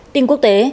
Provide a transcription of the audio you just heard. tin quốc tế